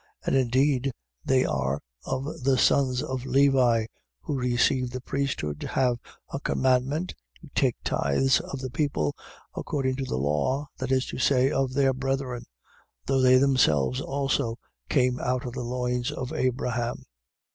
7:5. And indeed they that are of the sons of Levi, who receive the priesthood, have a commandment to take tithes of the people according to the law, that is to say, of their brethren: though they themselves also came out of the loins of Abraham.